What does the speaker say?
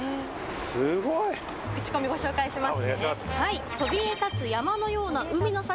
クチコミをご紹介します。